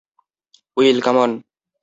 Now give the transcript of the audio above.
Will, come on.